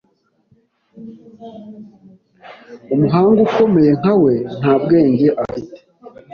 Umuhanga ukomeye nka we, nta bwenge afite.